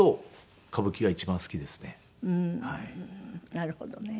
なるほどね。